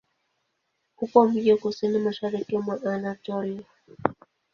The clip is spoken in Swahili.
Upo mjini kusini-mashariki mwa Anatolia.